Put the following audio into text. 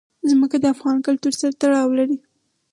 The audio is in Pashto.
ځمکه د افغان کلتور سره تړاو لري.